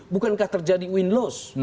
bukankah terjadi win loss